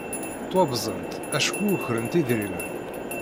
Ttwabẓent acku ukrent idrimen.